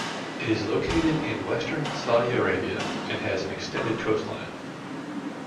It is located in western Saudi Arabia and has an extended coastline.